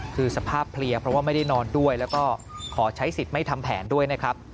คือสภาพเพลียเพราะว่าไม่ได้นอนด้วยแล้วก็ขอใช้สิทธิ์ไม่ทำแผนด้วยนะครับ